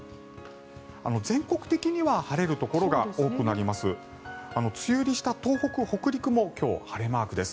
全国的には晴れるところが多くなります。